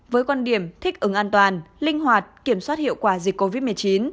với quan điểm thích ứng an toàn linh hoạt kiểm soát hiệu quả dịch covid một mươi chín